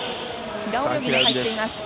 平泳ぎに入っています。